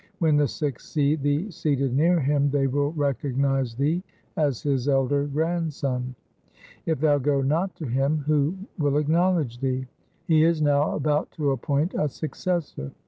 When the Sikhs see thee seated near him, they will recognize thee as his elder grandson. If thou go not to him, who will acknowledge thee ? He is now about to appoint a successor.